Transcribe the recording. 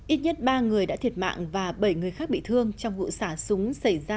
ít nhất ba người đã thiệt mạng và bảy người khác bị thương trong vụ xả súng xảy ra